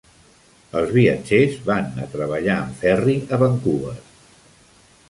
Els viatgers van a treballar en ferri a Vancouver.